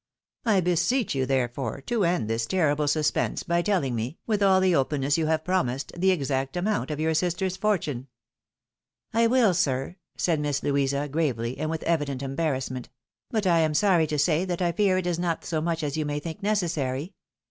I beseech you, therefore, PEE MATKIMONIAL INVESTIGATIOK. 285 to end this terrible suspense by telling me, witli all the openness you have promised, the exact amount of your sister's fortune." " I will, sir," said Miss Louisa, gravely, and with evident em barrassment ;" but I am sorry to say that I fear it is not so much as you may think necessary.